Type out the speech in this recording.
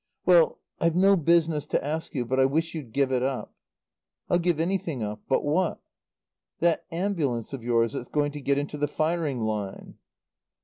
"Well I've no business to ask you, but I wish you'd give it up." "I'll give anything up. But what?" "That ambulance of yours that's going to get into the firing line."